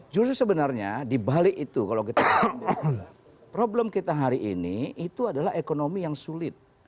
justru sebenarnya dibalik itu kalau kita problem kita hari ini itu adalah ekonomi yang sulit